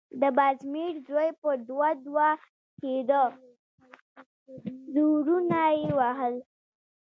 د بازمير زوی په دوه_ دوه کېده، زورونه يې وهل…